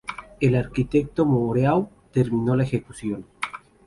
El arquitecto Moreau terminó la ejecución.